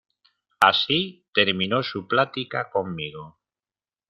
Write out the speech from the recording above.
así terminó su plática conmigo.